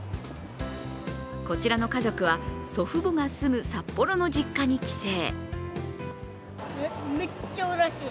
こちらの家族は祖父母が住む札幌の実家に帰省。